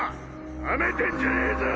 なめてんじゃねぇぞ！